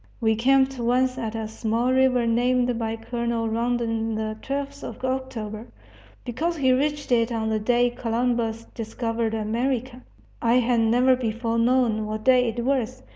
We camped once at a small river named by Colonel Rondon the "Twelfth of October," because he reached it on the day Columbus discovered America I had never before known what day it was!